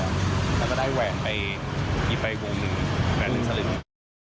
แล้วก็ได้แหวนไปหยิบไปกวงเหล็กสลิด